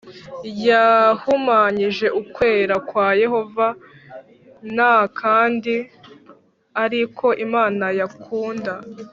Yahumanyije ukwera kwa yehova n kandi ari ko imana yakunda